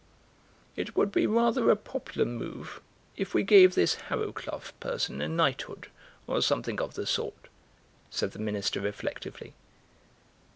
"It would be rather a popular move if we gave this Harrowcluff person a knighthood or something of the sort," said the Minister reflectively.